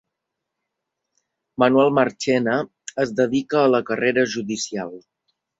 Manuel Marchena es dedica a la carrera judicial